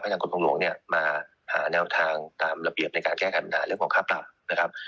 ให้ทางกลุ่มทางหลวงมาหาแนวทางตามระเบียบในการแก้กันปัญหาเรื่องของค่าปรับ